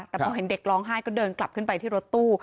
แต่พอเห็นเด็กร้องไห้ก็เดินกลับขึ้นไปที่รถตู้